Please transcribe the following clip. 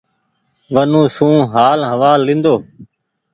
ونو سون هآل هوآل لينۮو ۔